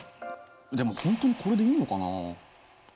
でも本当にこれでいいのかな？